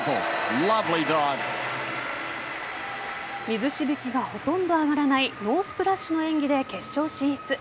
水しぶきがほとんど上がらないノースプラッシュの演技で決勝進出。